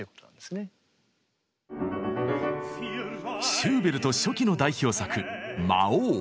シューベルト初期の代表作「魔王」。